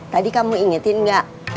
tadi kamu ingetin nggak